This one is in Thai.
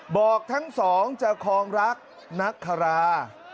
บอกทั้งสองจะคลองรักนักคารา